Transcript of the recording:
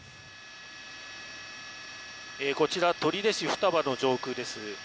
こちら取手市双葉の上空です。